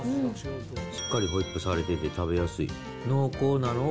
しっかりホイップされてて食べやすい。